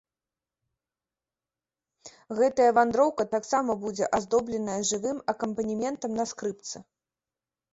Гэтая вандроўка таксама будзе аздобленая жывым акампанементам на скрыпцы!